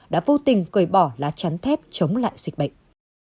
đã vô tình cởi bỏ lá chắn thép chống lại dịch bệnh